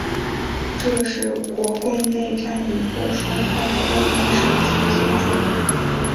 这是国共内战以后双方官员首次接触。